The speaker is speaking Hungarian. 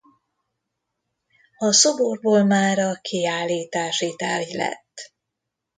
A szoborból mára kiállítási tárgy lett.